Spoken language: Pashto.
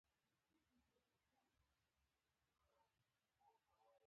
• ونه د ښوونځیو په ساحو کې کښت کیږي.